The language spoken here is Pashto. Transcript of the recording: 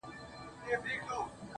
ستا د هيندارو په لاسونو کي به ځان ووينم